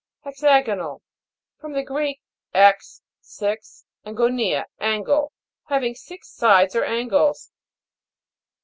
HEXA'GONAL. From the Greek, 'ex, six, and gonia, angle. Having six sides or angles.